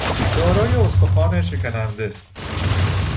دارای استخوان شکننده